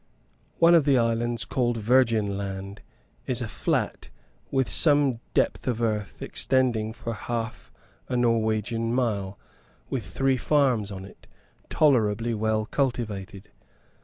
One of the islands, called Virgin Land, is a flat, with some depth of earth, extending for half a Norwegian mile, with three farms on it, tolerably well cultivated.